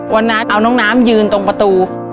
วันนั้นเอาน้องน้ำยืนตรงประตู